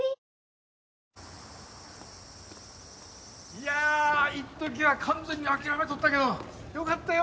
いやあいっときは完全に諦めとったけどよかったよ！